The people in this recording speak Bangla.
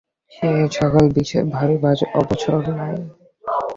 সে সকল বিষয় ভাবিবার অবসর নাই।